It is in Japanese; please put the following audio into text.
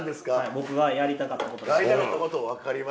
僕がやりたかったことなんで。